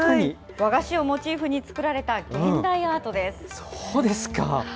和菓子をモチーフに作られた現代アートです。